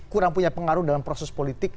kurang punya pengaruh dalam proses politik